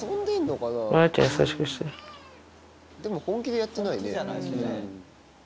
でも本気でやってないね。